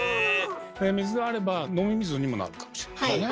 水があれば飲み水にもなるかもしれないね。